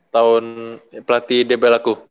tahun pelatih dbl aku